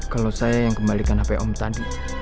kalo saya yang kembalikan hape om tadi